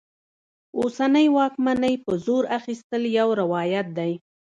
اوسنۍ واکمنۍ په زور اخیستل یو روایت دی.